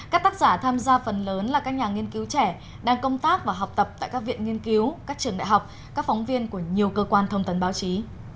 các tác giả tham gia phần lớn là các nhà nghiên cứu trẻ đang công tác và học tập tại các viện nghiên cứu các trường đại học các phóng viên của nhiều cơ quan thông tấn báo chí